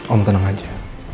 om tenang aja